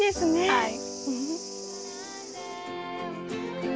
はい。